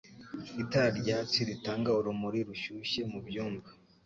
Itara ryatsi ritanga urumuri rushyushye mubyumba